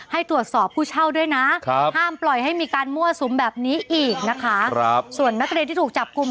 ให้ตรวจสอบผู้เช่าด้วยนะห้ามปล่อยให้มีการมั่วสุมแบบนี้อีกนะคะส่วนนักเรียนที่ถูกจับกลุ่ม